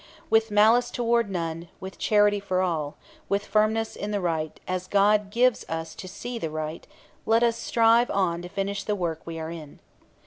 "With malice toward none; with charity for all; with firmness in the right, as God gives us to see the right, let us strive on to finish the work we are in."